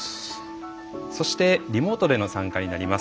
そしてリモートでの参加になります。